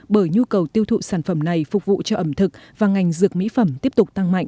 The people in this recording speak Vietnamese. bởi nhu cầu tiêu thụ sản phẩm này phục vụ cho ẩm thực và ngành dược mỹ phẩm tiếp tục tăng mạnh